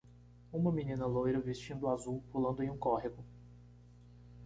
Uma menina loira vestindo azul pulando em um córrego